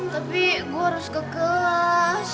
tapi gue harus ke kelas